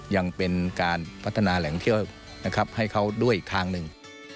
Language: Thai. ยังเป็นการพัฒนาแหล่งเที่ยวนะครับให้เขาด้วยอีกทางหนึ่ง